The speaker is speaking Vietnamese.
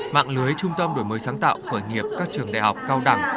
mạng lưới trung tâm đổi mới sáng tạo khởi nghiệp các trường đại học cao đẳng